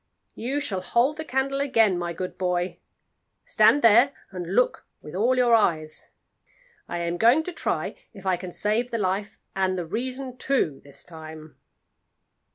You shall hold the candle again, my good boy; stand there, and look with all your eyes. I am going to try if I can save the life and the reason too this time."